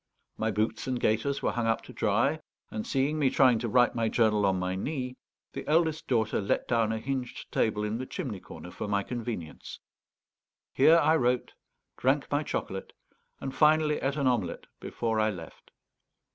My boots and gaiters were hung up to dry, and, seeing me trying to write my journal on my knee, the eldest daughter let down a hinged table in the chimney corner for my convenience. Here I wrote, drank my chocolate, and finally ate an omelette before I left.